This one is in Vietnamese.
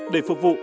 để phục vụ